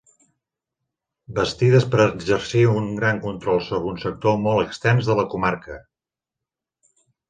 Bastides per exercir un gran control sobre un sector molt extens de la comarca.